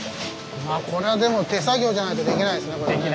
これはでも手作業じゃないとできないですね。